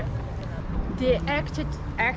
ketentuan ini adalah